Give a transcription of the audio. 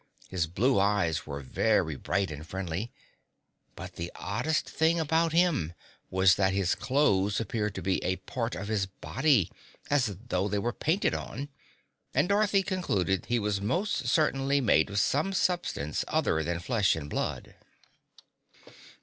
His blue eyes were very bright and friendly. But the oddest thing about him was that his clothes appeared to be a part of his body as though they were painted on. And Dorothy concluded he was most certainly made of some substance other than flesh and blood.